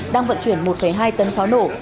đang vận chuyển một hai tấn pháo nổ